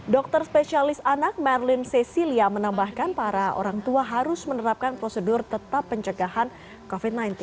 dokter spesialis anak merlin cecilia menambahkan para orang tua harus menerapkan prosedur tetap pencegahan covid sembilan belas